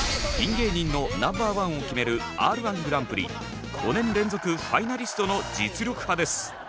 芸人のナンバーワンを決めるＲ‐１グランプリ５年連続ファイナリストの実力派です。